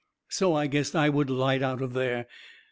So I guessed I would light out from there.